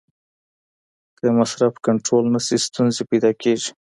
که مصرف کنټرول نسي ستونزي پیدا کیږي.